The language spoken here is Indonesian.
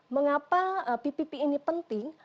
mengapa ppp ini penting